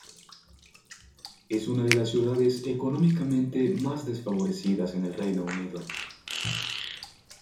Es una de las ciudades económicamente más desfavorecidas en el Reino Unido.